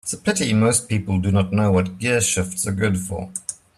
It's a pity most people do not know what gearshifts are good for.